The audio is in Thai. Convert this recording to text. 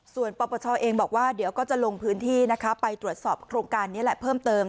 ส่วนปปชเองบอกว่าเดี๋ยวก็จะลงพื้นที่นะคะไปตรวจสอบโครงการนี้แหละเพิ่มเติม